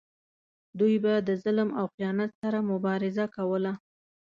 دوی به د ظلم او خیانت سره مبارزه کوله.